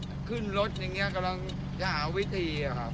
ขึ้นรถอย่างนี้กำลังจะหาวิธีอะครับ